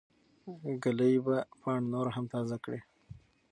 ږلۍ به پاڼه نوره هم تازه کړي.